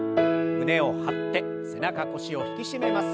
胸を張って背中腰を引き締めます。